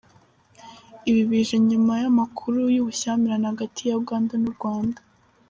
Ibi bije nyuma y'amakuru y'ubushyamirane hagati ya Uganda n'U Rwanda.